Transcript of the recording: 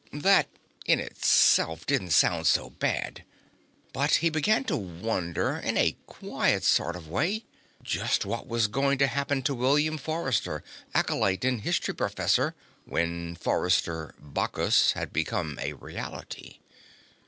That in itself didn't sound so bad. But he began to wonder, in a quiet sort of way, just what was going to happen to William Forrester, acolyte and history professor, when Forrester/Bacchus had became a reality.